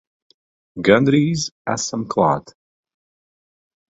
Gandrīz esam klāt!